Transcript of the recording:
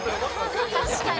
確かに。